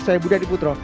saya budi adiputro